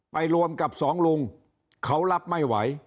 รวมกับสองลุงเขารับไม่ไหว